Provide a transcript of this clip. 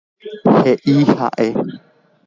He'i ha'e.